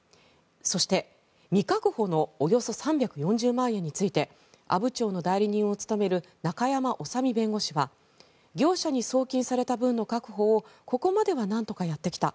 そして、未確保のおよそ３４０万円について阿武町の代理人を務める中山修身弁護士は業者に送金された分の確保をここまではなんとかやってきた。